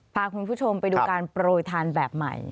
พาคุณผู้ชมไปดูการโปรยทานแบบใหม่